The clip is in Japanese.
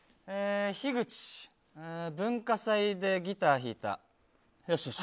ヒグチ、文化祭でギター弾いた、よしよし。